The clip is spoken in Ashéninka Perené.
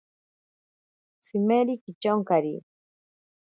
Tsimeri kityonkari.